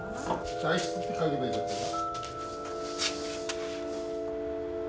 代筆って書けばよかったか？